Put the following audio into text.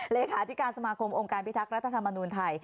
เลขาธิการสมาคมองค์การพิทักษ์รัฐธรรมนูญไทย